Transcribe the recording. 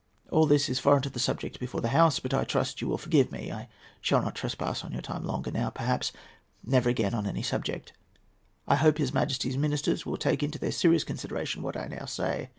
All this is foreign to the subject before the House, but I trust you will forgive me. I shall not trespass on your time longer now—perhaps never again on any subject. I hope his Majesty's ministers will take into their serious consideration what I now say.